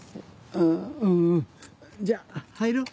うっうんじゃあ入ろう。